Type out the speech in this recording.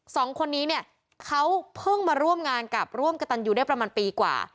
สองคนนี้เนี่ยเขาเพิ่งมาร่วมงานกับร่วมกระตันยูได้ประมาณปีกว่า